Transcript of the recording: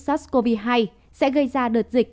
sars cov hai sẽ gây ra đợt dịch